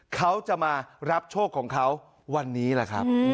เขาจะมารับโชควันนี้ล่ะ